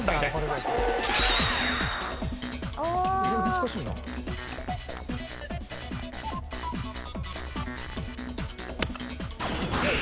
難しいな。